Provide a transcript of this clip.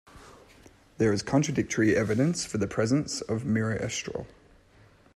There is contradictory evidence for the presence of miroestrol.